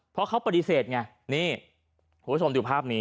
เพราะเขาปฏิเสธไงนี่คุณผู้ชมดูภาพนี้